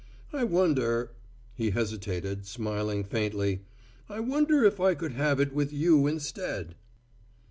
I wonder" he hesitated, smiling faintly "I wonder if I could have it with you instead."